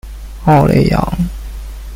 奥雷扬。